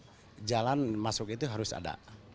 dalam aturan itu jalan masuk itu harus ada